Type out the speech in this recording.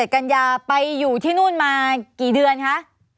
กัญญาไปอยู่ที่นู่นมากี่เดือนคะ